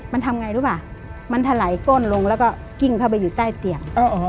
มันทำไงรู้ป่ะมันถลายก้นลงแล้วก็กิ้งเข้าไปอยู่ใต้เตียง